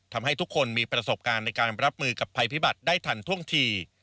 ทำให้ทุกคนมีประสบการณ์ในการรับมือกับภัยพิบัติได้ทันท่วงที